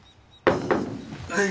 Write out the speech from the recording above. はい。